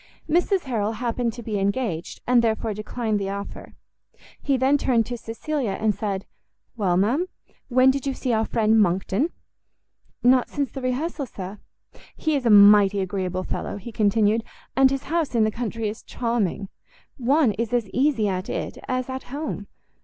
Mrs Harrel happened to be engaged, and therefore declined the offer. He then turned to Cecilia, and said, "Well, ma'am, when did you see our friend Monckton?" "Not since the rehearsal, sir." "He is a mighty agreeable fellow," he continued, "and his house in the country is charming. One is as easy at it as at home.